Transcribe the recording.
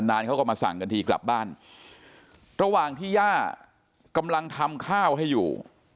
เขาก็มาสั่งกันทีกลับบ้านระหว่างที่ย่ากำลังทำข้าวให้อยู่